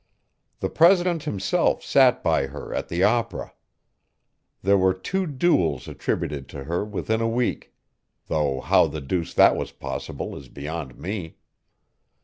The president himself sat by her at the opera. There were two duels attributed to her within a week; though how the deuce that was possible is beyond me.